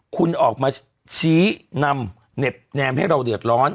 คุณออกมาชี้นำเหน็บแนมให้เราเดือดร้อน